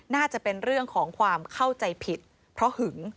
น่าจะเป็นเรื่องของความเข้าใจผิดเพราะหึง